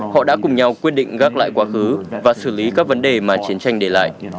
họ đã cùng nhau quyết định gác lại quá khứ và xử lý các vấn đề mà chiến tranh để lại